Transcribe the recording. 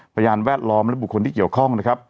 พยานแวดล้อมและบุคคลที่เกี่ยวข้องนะครับ